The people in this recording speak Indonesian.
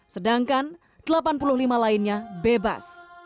sedangkan delapan puluh lima lainnya bebas